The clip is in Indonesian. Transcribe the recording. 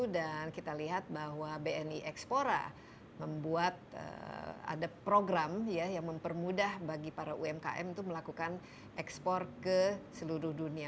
dan kita lihat bahwa bni ekspora membuat ada program ya yang mempermudah bagi para umkm untuk melakukan ekspor ke seluruh dunia